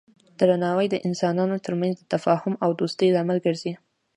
درناوی د انسانانو ترمنځ د تفاهم او دوستی لامل ګرځي.